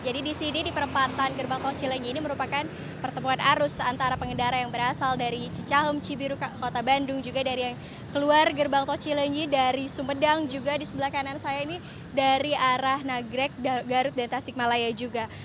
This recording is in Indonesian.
jadi di sini di perempatan gerbang tol cilenyi ini merupakan pertemuan arus antara pengendara yang berasal dari cicahum cibiru kota bandung juga dari yang keluar gerbang tol cilenyi dari sumedang juga di sebelah kanan saya ini dari arah nagrek garut dan tasikmalaya juga